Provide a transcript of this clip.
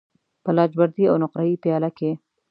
په لاجوردی او نقره یې پیاله کې